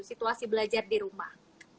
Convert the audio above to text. situasi belajar di rumah